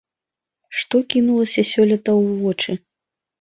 Што кінулася сёлета ў вочы?